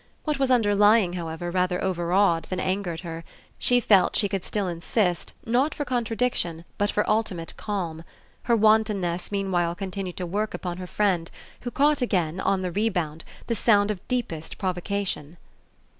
What was underlying, however, rather overawed than angered her; she felt she could still insist not for contradiction, but for ultimate calm. Her wantonness meanwhile continued to work upon her friend, who caught again, on the rebound, the sound of deepest provocation.